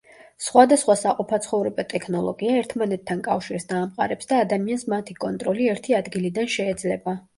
სხვადასხვა საყოფაცხოვრებო ტექნოლოგია, ერთმანეთთან კავშირს დაამყარებს და ადამიანს მათი კონტროლი ერთი ადგილიდან შეეძლება.